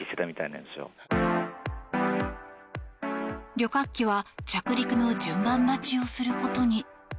旅客機は着陸の順番待ちをすることに。